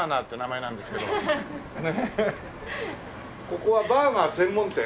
ここはバーガー専門店？